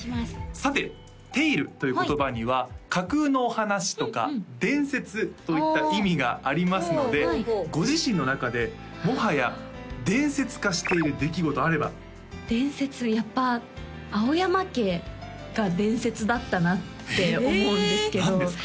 さてＴａｌｅという言葉には架空の話とか伝説といった意味がありますのでご自身の中でもはや伝説化している出来事あれば伝説やっぱ青山家が伝説だったなって思うんですけど何ですか？